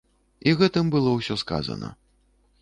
І гэтым было ўсё сказана.